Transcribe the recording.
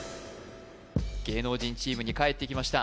芸能人チームにかえってきました